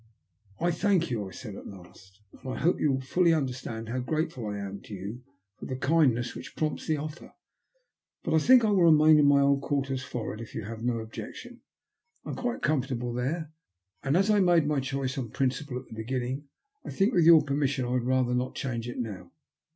" I thank you," I said at last, " and I hope you will fully understand how grateful I am to you for the kindness which prompts \he offer. But I think I will remain in my old quarters forrard, if you have no objection. I am quite comfortable there ; and as f A STKAKGE COIKOIDENCB. 181 I made my choice on principle at the beginning, I think, with your permission, I would rather not change it now."